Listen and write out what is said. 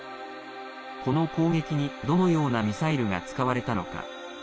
この攻撃にどのようなミサイルが使われたのか。